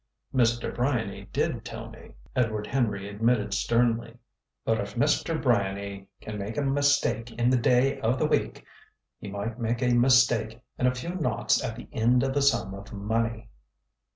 "Mr. Bryany did tell me," Edward Henry admitted sternly. "But if Mr. Bryany can make a mistake in the day of the week he might make a mistake in a few naughts at the end of a sum of money."